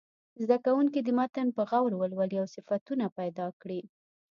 زده کوونکي دې متن په غور ولولي او صفتونه پیدا کړي.